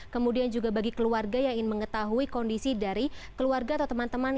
kemudian juga bagi keluarga yang ingin mengetahui kondisi dari keluarga atau teman teman